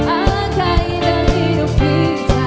awanku indah hidup kita